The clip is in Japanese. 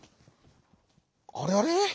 「あれあれ？